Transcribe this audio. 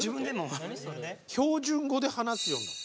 「標準語で話すようになった」。